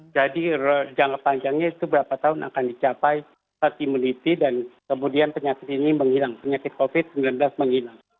jadi jangka panjangnya itu berapa tahun akan dicapai pasti melipi dan kemudian penyakit ini menghilang penyakit covid sembilan belas menghilang